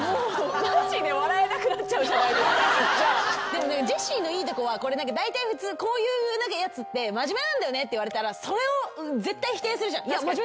でもねジェシーのいいとこはだいたい普通こういうやつって真面目なんだよねって言われたらそれを絶対否定するじゃん。